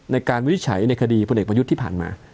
ในการวิจัยในคดีพลเด็กมายุทธ์ที่ผ่านมา